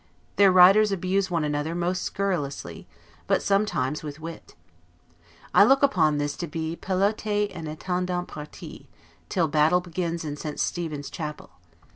Their writers abuse one another most scurrilously, but sometimes with wit. I look upon this to be 'peloter en attendant partie', till battle begins in St., Stephen's Chapel.